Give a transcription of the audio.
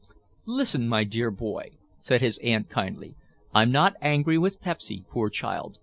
"Listen, my dear boy," said his aunt kindly. "I'm not angry with Pepsy, poor child.